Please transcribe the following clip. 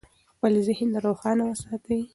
خپل ذهن روښانه وساتئ.